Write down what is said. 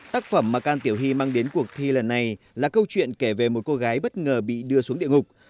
tác phẩm mà can tiểu hy mang đến cuộc thi lần này là câu chuyện kể về một cô gái bất ngờ bị đưa xuống địa ngục